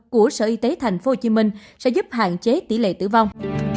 của sở y tế tp hcm sẽ giúp hạn chế tỷ lệ tử vong